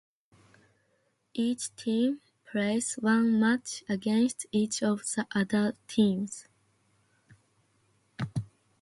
Each team plays one match against each of the other teams.